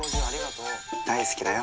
大好きだよ。